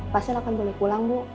pasien akan boleh pulang bu